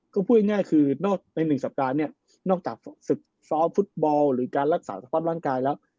ก็พูดง่ายคือนอกใน๑สัปดาห์เนี่ยนอกจากศึกซ้อมฟุตบอลหรือการรักษาสภาพร่างกายแล้ว